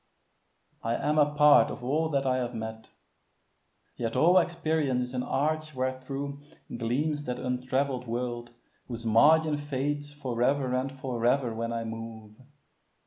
I am a part of all that I have met; Yet all experience is an arch wherethro' Gleams that untravell'd world whose margin fades For ever and for ever when I move.